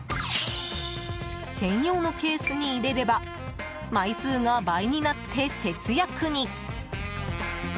専用のケースに入れれば枚数が倍になって節約に。